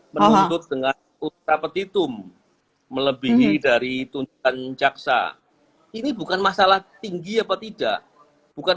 menuntut dengan ultra petitum melebihi dari tuntutan jaksa ini bukan masalah tinggi apa tidak bukan